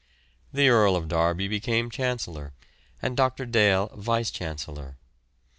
The Earl of Derby became Chancellor, and Dr. Dale Vice Chancellor.